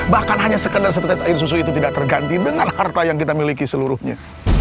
bahkan hanya sekedar setetes air susu itu tidak terganti dengan harta yang kita miliki seluruhnya